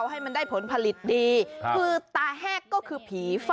ให้ผลผลิตดี